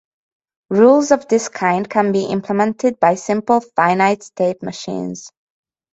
Rules of this kind can be implemented by simple Finite-state machines.